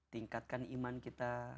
tingkatkan iman kita